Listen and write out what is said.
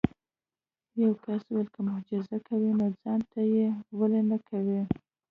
یو کس وویل که معجزه کوي نو ځان ته یې ولې نه کوې.